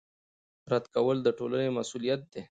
رد کول د ټولنې مسوولیت دی